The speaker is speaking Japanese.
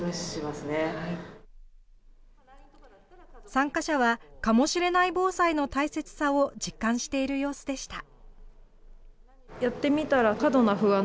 参加者は、かもしれない防災の大切さを実感している様子でした。